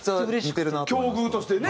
境遇としてね。